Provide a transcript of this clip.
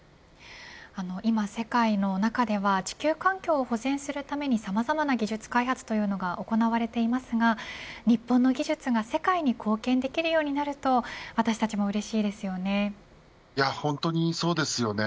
今、世界の中では地球環境を保全するためにさまざまな技術開発というのが行われていますが日本の技術が世界に貢献できるようになると本当にそうですよね。